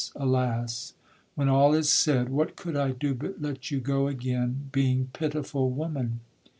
alas! when all is said, What could I do but let you go again, Being pitiful woman?